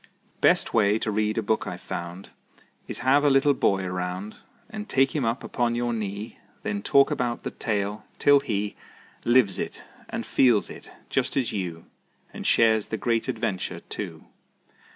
Best way to read a book I've found Is have a little boy around And take him up upon your knee; Then talk about the tale, till he Lives it and feels it, just as you, And shares the great adventure, too.